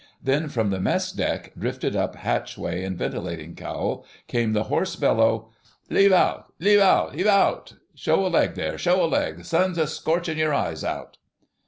Then from the mess deck, drifting up hatchway and ventilating cowl, came the hoarse bellow— "'Eave out, 'eave out, 'eave out! Show a leg there, show a leg! 'Sun's a scorching your eyes out!..."